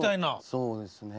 そうですね。